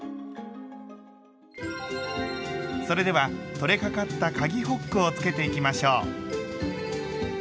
それでは取れかかったかぎホックをつけていきましょう。